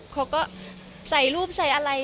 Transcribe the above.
เขาก็ใส่รูปใส่อะไร